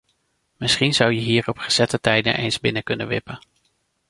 Misschien zou je hier op gezette tijden eens binnen kunnen wippen.